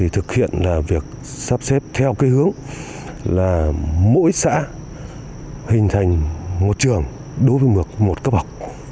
thực hiện việc sắp xếp theo hướng là mỗi xã hình thành một trường đối với một cấp học